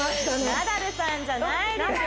ナダルさんじゃないでしょ